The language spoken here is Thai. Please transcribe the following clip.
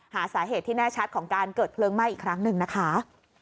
หาสาเหตุที่แน่ชัดของการเกิดเพลิงไหม้อีกครั้งหนึ่งนะคะ